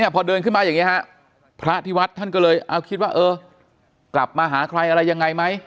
พอเดินขึ้นมาอย่างนี้ฮะพระที่วัดท่านก็เลยเอาคิดว่าเออกลับมาหาใครอะไรยังไงไหม